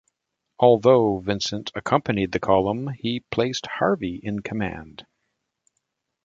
Although Vincent accompanied the column, he placed Harvey in command.